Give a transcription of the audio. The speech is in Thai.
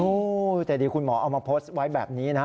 โอ้โหแต่ดีคุณหมอเอามาโพสต์ไว้แบบนี้นะฮะ